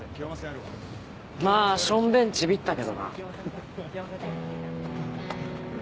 まあションベンちびったけどな。